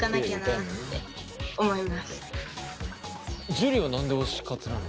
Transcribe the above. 樹は何で推し活なの？